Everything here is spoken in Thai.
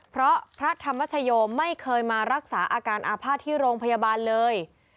เพราะพระธรรมชโยไม่เคยมารักษาอาการอาภาษณ์ที่โรงพยาบาลเลย